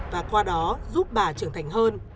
và qua đó giúp bà trưởng thành hơn